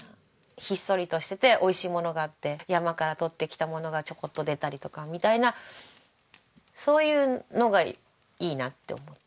ひっそりとしてて美味しいものがあって山からとってきたものがちょこっと出たりとかみたいなそういうのがいいなって思って。